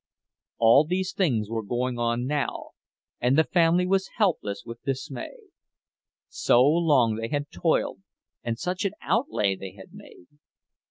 All these things were going on now, and the family was helpless with dismay. So long they had toiled, and such an outlay they had made!